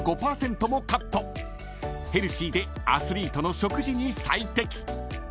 ［ヘルシーでアスリートの食事に最適］